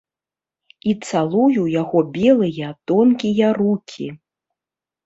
І цалую яго белыя тонкія рукі.